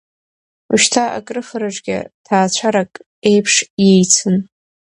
Ушьҭа акрыфараҿгьы ҭаацәарак еиԥш иеицын.